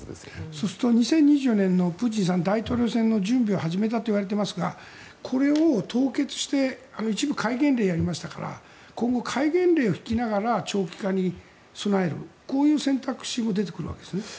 そうすると２０２４年のプーチンさん、大統領選の準備を始めたといわれていますがこれを凍結して一部、戒厳令をやりましたから今後、戒厳令を敷きながら長期化に備えるという選択肢も出てくるわけですね。